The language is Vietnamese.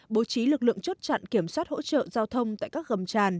bố trí lực lượng chốt chặn kiểm soát hỗ trợ giao thông tại các gầm tràn